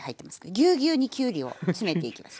ぎゅうぎゅうにきゅうりを詰めていきます。